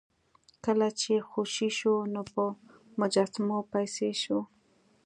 کله چې خوشې شو نو په مجسمو پسې شو.